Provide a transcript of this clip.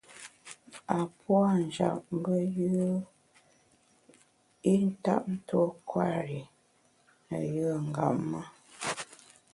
A puâ’ njap mbe yùe i ntap tuo kwer i ne yùe ngap ma.